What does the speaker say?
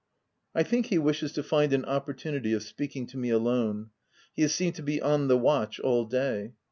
I think he wishes to find an opportunity of speaking to me alone : he has seemed to be on the watch all day